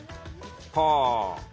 はあ。